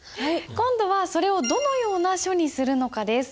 今度はそれをどのような書にするのかです。